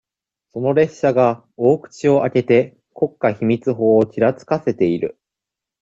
その列車が、大口を開けて、国家秘密法をちらつかせている。